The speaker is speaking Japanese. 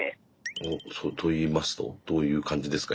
お？と言いますとどういう感じですか？